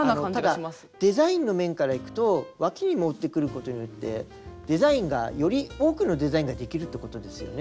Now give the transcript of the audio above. ただデザインの面からいくとわきにもってくることによってデザインがより多くのデザインができるってことですよね。